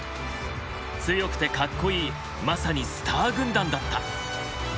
強くてかっこいいまさにスター軍団だった。